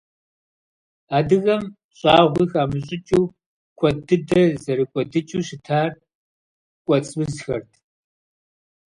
Адыгэм щӏагъуи хамыщӏыкӏыу, куэд дыди зэрыкӏуэдыкӏыу щытар кӏуэцӏ узхэрат.